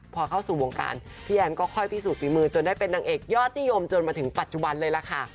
พอเข้าสู่วงการพี่แอนก็ค่อยพิสูจนฝีมือจนได้เป็นนางเอกยอดนิยมจนมาถึงปัจจุบันเลยล่ะค่ะ